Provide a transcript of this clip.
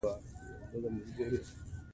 هلمند سیند د افغانستان د سیاسي جغرافیه برخه ده.